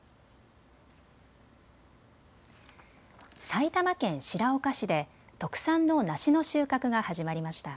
埼玉県白岡市で特産の梨の収穫が始まりました。